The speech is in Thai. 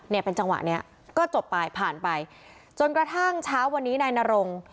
เนี่ยเป็นจังหวะเนี้ยก็จบไปผ่านไปจนกระทั่งเช้าวันนี้นายนรง